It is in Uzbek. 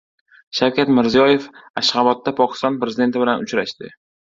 Shavkat Mirziyoyev Ashxobodda Pokiston prezidenti bilan uchrashdi